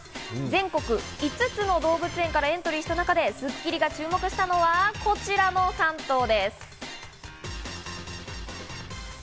全国５つの動物園からエントリーした中で『スッキリ』が注目したのはこちらの３頭です。